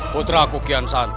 putra kukian santu